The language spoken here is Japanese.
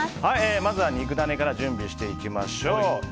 まず肉ダネから準備していきましょう。